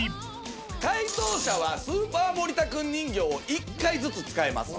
解答者はスーパー森田くん人形を１回ずつ使えます。